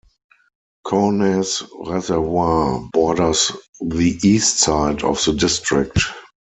Kaunas Reservoir borders the east side of the district.